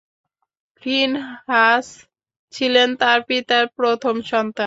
ফিনহাস ছিলেন তাঁর পিতার প্রথম সন্তান।